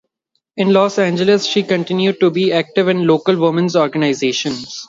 In Los Angeles, she continued to be active in local women's organizations.